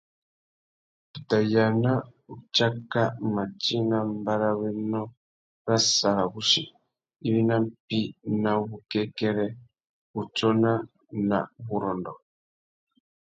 Tu tà yāna utsáka mati nà mbarrawénô râ sarawussi iwí nà mpí ná wukêkêrê, wutsôna na wurrôndô.